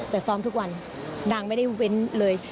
แต่ซ้อมทุกวันนางไม่ได้เว้นเลย